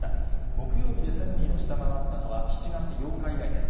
木曜日で１０００人を下回ったのは７月８日以来です。